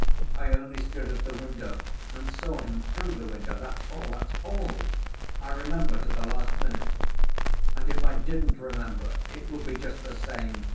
I only stood at the window and saw him through the window. That's all, that's all.... I remember to the last minute. And if I didn't remember, it would be just the same.